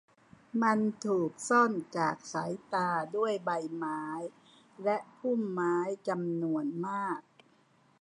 มันถูกซ่อนจากสายตาด้วยใบไม้และพุ่มไม้จำนวนมาก